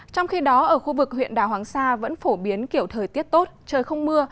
trong khi đó ở khu vực huyện đảo hoàng sa vẫn phổ biến kiểu thời tiết tốt trời không mưa